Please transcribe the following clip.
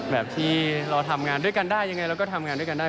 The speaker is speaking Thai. แบบที่เราทำงานด้วยกันได้ยังไงเราก็ทำงานด้วยกันได้